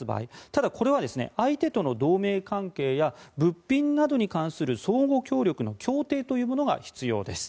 ただ、これは相手との同盟関係や物品などに関する相互協力の協定というものが必要です。